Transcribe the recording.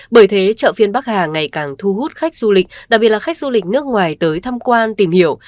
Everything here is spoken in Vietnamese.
bởi thế chợ phiên bắc hà ngày càng thu hút khách du lịch đặc biệt là khách du lịch nước ngoài tới thăm quan tìm hiểu